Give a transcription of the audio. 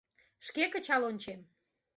— Шке кычал ончем.